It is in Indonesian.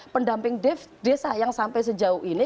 pendamping desa yang sampai sejauh ini